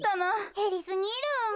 へりすぎる。